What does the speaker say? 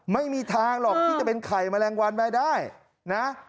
ไม่มีทางหรอกที่จะเป็นไข่แมลงวันมาได้นะ